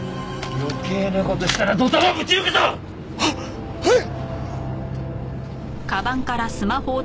余計な事したらドタマぶち抜くぞ！ははい！